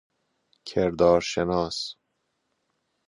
کردارشناس